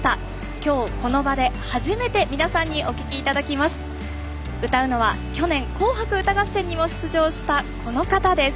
きょう、この場で初めて皆様にお聴きいただきます。